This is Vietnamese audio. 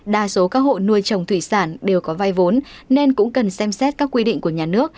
đa số các hộ nuôi trồng thủy sản đều có vai vốn nên cũng cần xem xét các quy định của nhà nước